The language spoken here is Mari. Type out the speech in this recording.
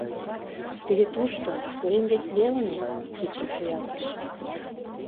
— Теве тушто, корем вес велне... — кидшым шуялтыш.